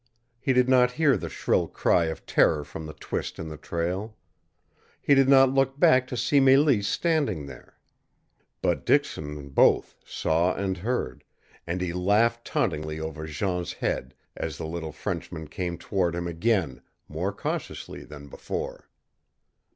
He did not hear the shrill cry of terror from the twist in the trail. He did not look back to see Mélisse standing there. But Dixon both saw and heard, and he laughed tauntingly over Jean's head as the little Frenchman came toward him again, more cautiously than before.